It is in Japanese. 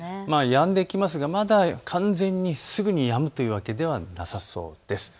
やんできますがまだ完全にすぐにやむというわけではなさそうです。